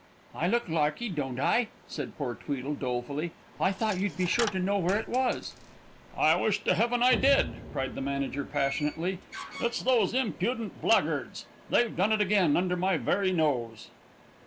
"] "I look larky, don't I?" said poor Tweedle, dolefully. "I thought you'd be sure to know where it was." "I wish to heaven I did!" cried the manager, passionately; "it's those impudent blackguards.... They've done it under my very nose!"